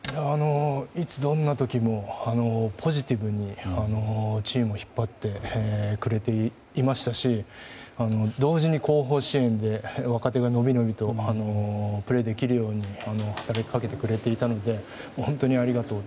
いつどんな時もポジティブにチームを引っ張ってくれていましたし同時に後方支援で若手が伸び伸びとプレーできるように働きかけてくれていたので本当にありがとうと。